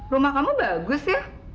rumah kamu bagus ya